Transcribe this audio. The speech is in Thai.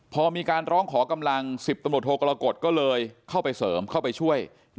พอมีการร้องขอกำลัง๑๐ตำรวจโทกรกฎก็เลยเข้าไปเสริมเข้าไปช่วย